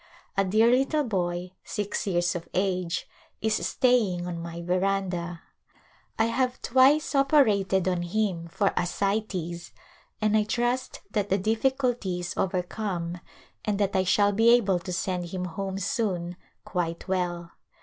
A dear little boy, six years of age, is staying on my veranda. I have twice operated on him for ascites and I trust that the difficulty is overcome and that I shall be able to send him home soon, quite well.